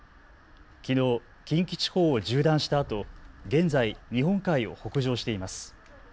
きのう、近畿地方を縦断したあと現在、日本海を北上しています。